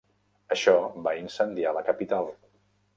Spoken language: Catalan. Això va incendiar la capital.